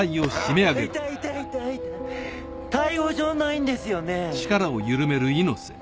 痛い痛い逮捕状ないんですよね？